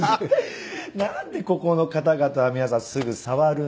何でここの方々は皆さんすぐ触るんですか。